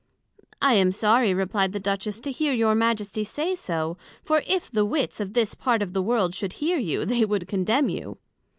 I am sorry, replied the Duchess, to hear your Majesty say so; for if the Wits of this part of the World should hear you, they would condemn you.